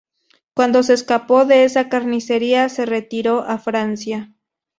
Cuando se escapó de esa carnicería, se retiró a Francia.